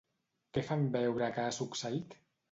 Què fan veure que ha succeït?